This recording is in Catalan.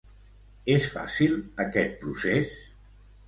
És fàcil aquest procés?